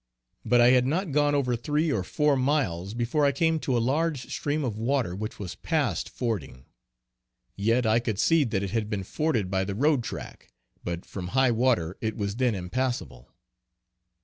But I had not gone over three or four miles before I came to a large stream of water which was past fording; yet I could see that it had been forded by the road track, but from high water it was then impassible.